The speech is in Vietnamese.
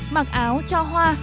mặc áo cho hoa